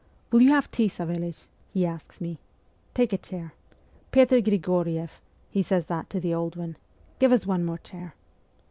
" Will you have tea, Savelich ?" he asks me. " Take a chair. Petr Grig6rieff " he says that to the old one " give us one more chair."